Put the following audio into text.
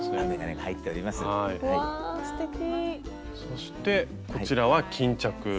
そしてこちらは巾着。